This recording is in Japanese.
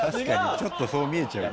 ちょっとそう見えちゃうな。